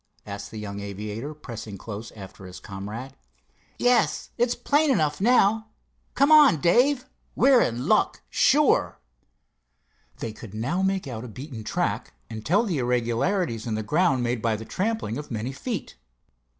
asked the young aviator, pressing close after his comrade. "Yes. It's plain enough, now. Come on, Dave; we're in luck, sure." They could now make out a beaten track, and tell the irregularities in the ground made by the trampling of many feet.